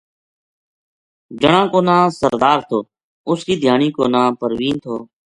جنا کو ناں سردار تھو اُس کی دھیانی کو ناں پروین تھو